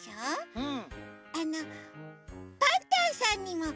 うん！